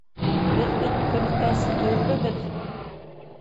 Беҙ бит, Көнөкәс, төрлөбеҙ.